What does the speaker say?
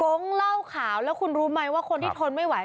เหล้าขาวแล้วคุณรู้ไหมว่าคนที่ทนไม่ไหว